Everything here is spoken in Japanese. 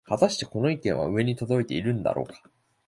はたしてこの意見は上に届いているんだろうか